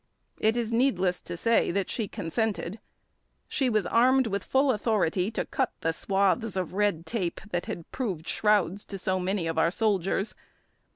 It is needless to say that she consented. She was armed with full authority to cut the swathes of red tape that had proved shrouds to so many of our soldiers.